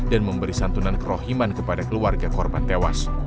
dan memberi santunan kerohiman kepada keluarga korban tewas